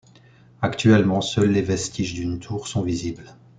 Actuellement, seuls les vestiges d'une tour sont visibles.